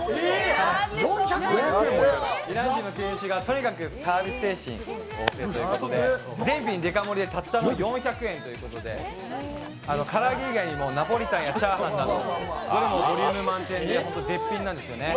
イラン人の店主がとにかくサービス精神旺盛ということで、全品デカ盛りでたったの４００円ということで、唐揚げ以外にもナポリタンやチャーハンなどどれもボリューム満点で絶品なんですね。